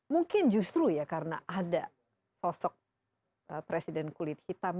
mungkin justru ya karena ada sosok presiden kulit hitam